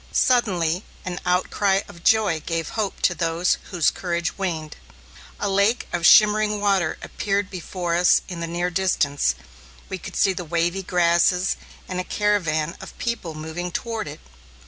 Suddenly an outcry of joy gave hope to those whose courage waned. A lake of shimmering water appeared before us in the near distance, we could see the wavy grasses and a caravan of people moving toward it.